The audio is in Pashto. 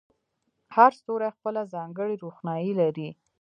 هر ستوری خپله ځانګړې روښنایي لري.